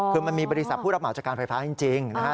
คือมันมีบริษัทผู้รับเหมาจากการไฟฟ้าจริงนะฮะ